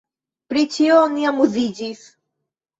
Pri ĉio ni amuziĝis.